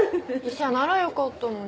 医者ならよかったのに。